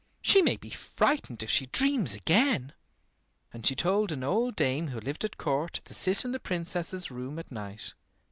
"She may be frightened if she dreams again." And she told an old dame who lived at court to sit in the Princess's room at night.